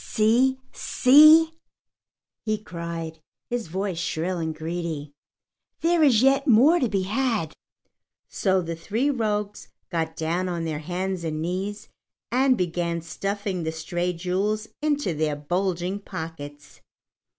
"See, see!" he cried, his voice shrill and greedy. "There is yet more to be had!" So the three rogues got down on their hands and knees and began stuffing the stray jewels into their bulging pockets.